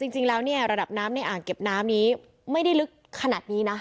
จริงแล้วเนี่ยระดับน้ำในอ่างเก็บน้ำนี้ไม่ได้ลึกขนาดนี้นะ